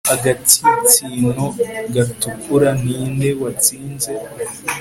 Agatsinsino gatukura ninde watsinze